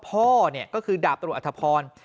พ่อเนี่ยก็คือดาบตำรวจอัฐพร